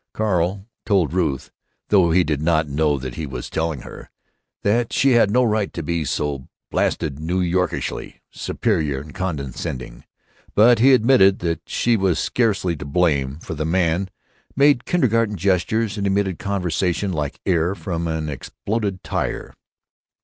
Carl told Ruth (though she did not know that he was telling her) that she had no right to be "so blasted New Yorkishly superior and condescending," but he admitted that she was scarcely to blame, for the man made kindergarten gestures and emitted conversation like air from an exploded tire.